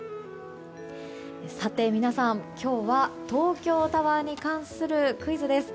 さて皆さん、今日は東京タワーに関するクイズです。